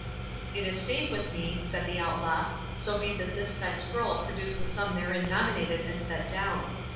"It is safe with me," said the Outlaw, "so be that this thy scroll produce the sum therein nominated and set down.